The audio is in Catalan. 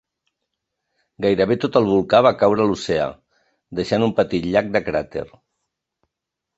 Gairebé tot el volcà va caure a l'oceà, deixant un petit llac de cràter.